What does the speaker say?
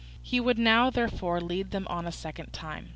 He would now, therefore, lead them on a second time.